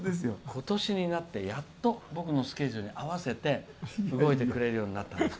今年になってやっと、僕のスケジュールに合わせて動いてくれるようになった。